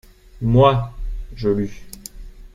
Moi, je lus.